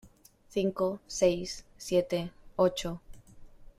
cinco, seis , siete , ocho.